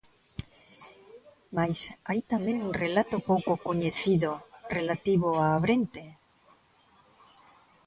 Mais hai tamén un relato pouco coñecido relativo a Abrente.